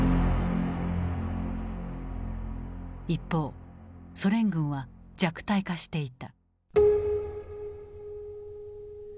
一方ソ連軍は弱体化していた。